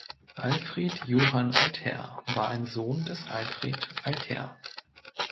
Alfred Johann Altherr war ein Sohn des Alfred Altherr.